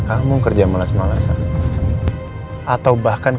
apa dia mau balik ke rumah ini